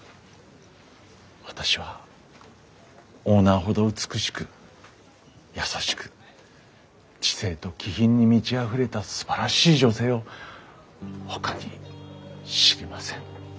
私はオーナーほど美しく優しく知性と気品に満ちあふれたすばらしい女性をほかに知りません。